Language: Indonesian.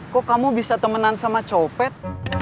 kok kamu bisa temenan sama copet